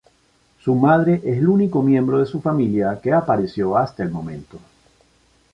Su madre es el único miembro de su familia que apareció hasta el momento.